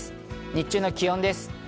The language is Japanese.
日中の気温です。